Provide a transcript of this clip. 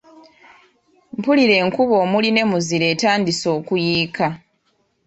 Mpulira enkuba omuli ne muzira etandise okuyiika.